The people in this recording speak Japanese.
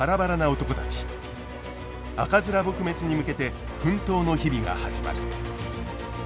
赤面撲滅に向けて奮闘の日々が始まる。